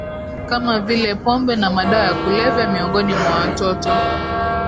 kama vile pombe na madawa ya kulevya miongoni mwa watoto